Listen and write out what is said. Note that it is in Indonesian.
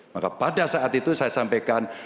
maka pada saat itu saya sampaikan